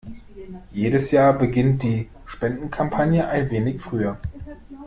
Jedes Jahr beginnt die Spendenkampagne ein wenig früher.